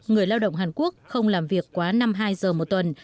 người lao động hàn quốc không làm việc quá năm mươi hai giờ một tuần